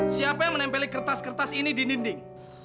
siapa yang menempeli kertas kertas ini di dinding